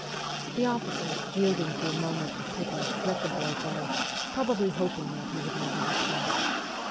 The officer, yielding to a moment of pity, let the boy go, probably hoping that he would never return.